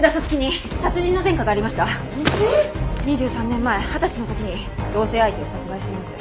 ２３年前二十歳の時に同棲相手を殺害しています。